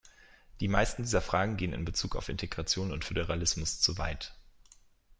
Die meisten dieser Fragen gehen in bezug auf Integration und Föderalismus zu weit.